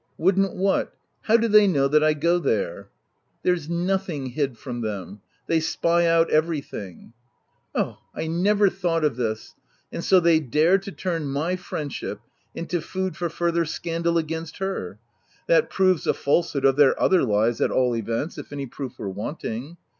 " Would'nt what ?— How do they know that I go there ?" "There's nothing hid from them : they spy out everything." u O, I never thought of this !— And so they dare to turn my friendship into food for further scandal against her !— That proves the falsehood of their other lies, at all events, if any proof were wanting.